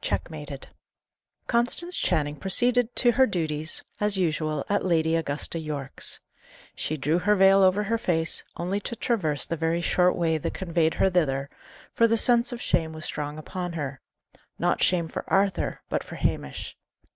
CHECKMATED. Constance Channing proceeded to her duties as usual at Lady Augusta Yorke's. She drew her veil over her face, only to traverse the very short way that conveyed her thither, for the sense of shame was strong upon her; not shame for Arthur, but for Hamish.